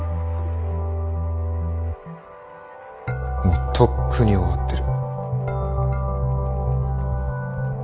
もうとっくに終わってる。